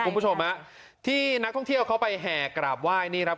คุณผู้ชมฮะที่นักท่องเที่ยวเขาไปแห่กราบไหว้นี่ครับ